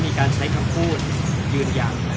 มีการใช้คำพูดยืนยัน